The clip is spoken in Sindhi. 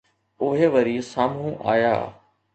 اهي وري سامهون آيا